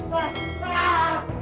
berpindah ke arah posit